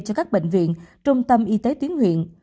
cho các bệnh viện trung tâm y tế tuyến huyện